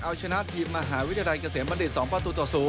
เอาชนะทีมมหาวิทยาลัยเกษมบัณฑิต๒ประตูต่อ๐